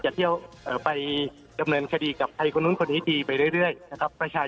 แล้วมีอีกหลายเรื่องอาจารย์ผมมีหลายเรื่องของอาจารย์